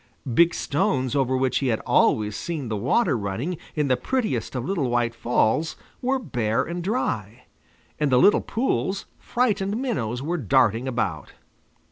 Big stones over which he had always seen the water running in the prettiest of little white falls were bare and dry. In the little pools frightened minnows were darting about.